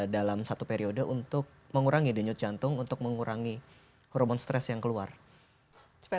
dalam satu periode untuk mengurangi denyut jantung untuk mengurangi hormon stres yang keluar supaya